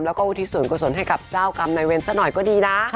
แล้วก็อุทิศส่วนกุศลให้กับเจ้ากรรมนายเวรซะหน่อยก็ดีนะ